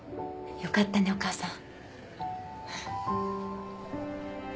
よかったねお母さん。